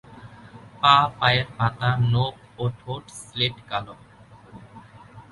পা, পায়ের পাতা, নখর ও ঠোঁট স্লেট-কালো।